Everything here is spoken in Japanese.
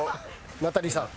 ナタリーさん。